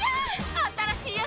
新しいやつ！